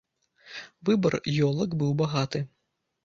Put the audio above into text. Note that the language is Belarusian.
Выбар ёлак быў багаты.